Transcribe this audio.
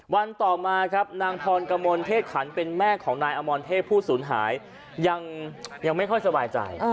วันต่อมาครับนางพรกมลเทศขันเป็นแม่ของนายอมรเทพผู้สูญหายยังไม่ค่อยสบายใจ